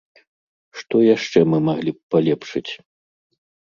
Што яшчэ мы маглі б палепшыць?